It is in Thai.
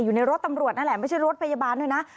อยู่ในรถตำรวจนั่นแหละไม่ใช่รถพยาบาลด้วยนะ